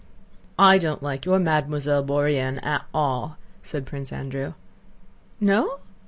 "I don't like your Mademoiselle Bourienne at all," said Prince Andrew. "No?